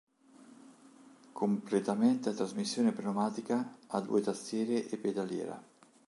Completamente a trasmissione pneumatica, ha due tastiere e pedaliera.